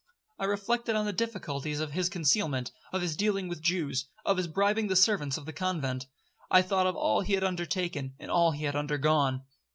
I reflected on the difficulties of his concealment—of his dealing with Jews—of his bribing the servants of the convent. I thought of all he had undertaken, and all he had undergone.